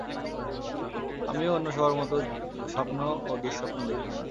আমিও অন্য সবার মতো স্বপ্ন ও দুঃস্বপ্ন দেখি!